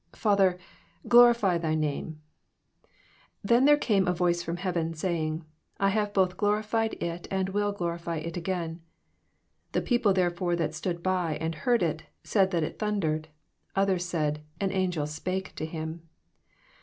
28 Father, glorify thy name. Then eame there a roice from heaven saying, I havo both glorified it, and will glo rify it again. 29 The people therefore, that stood by, and heard t^, said that it thundered : others said, An angel spake to him.